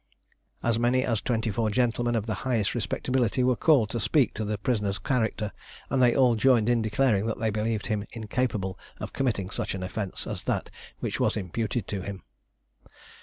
As many as twenty four gentlemen of the highest respectability were called to speak to the prisoner's character, and they all joined in declaring that they believed him incapable of committing such an offence as that which was imputed to him.